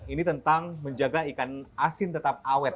ini tentang menjaga ikan asin tetap awet